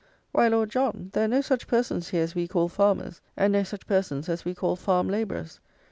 Why, Lord John, there are no such persons here as we call farmers, and no such persons as we call farm labourers.